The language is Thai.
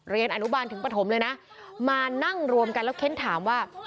เรียนอนุบาลถึงปฐมเลยนะมานั่งรวมกันแล้วเค้นถามว่า